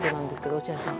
落合さん。